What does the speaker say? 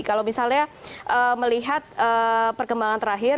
kalau misalnya melihat perkembangan terakhir